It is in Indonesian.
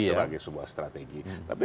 sebagai sebuah strategi